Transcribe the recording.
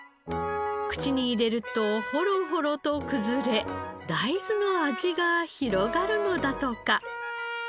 口に入れるとほろほろと崩れ大豆の味が広がるのだとか。